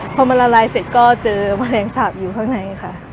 พอมันละลายเสร็จก็เจอแมลงสาปอยู่ข้างในค่ะ